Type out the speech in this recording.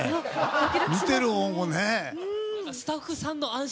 見てる方もね。